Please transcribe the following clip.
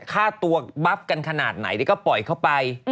ฆ่าตัวบับกันขนาดไหนก็ปล่อยเข้าไป